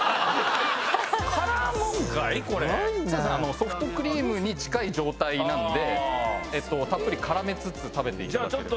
ソフトクリームに近い状態なのでたっぷり絡めつつ食べていただければ。